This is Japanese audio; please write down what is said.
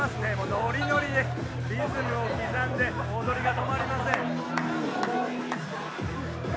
ノリノリでリズムを刻んで踊りが止まりません。